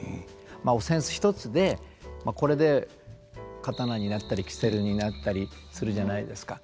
まあお扇子一つでこれで刀になったりキセルになったりするじゃないですか。